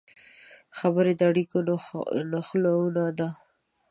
خبرې د اړیکو نښلونه ده